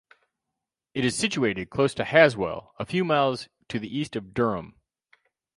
It is situated close to Haswell, a few miles to the east of Durham.